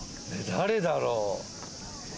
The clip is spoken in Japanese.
誰だろう